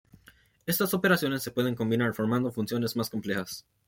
Estas operaciones se pueden combinar formando funciones más complejas.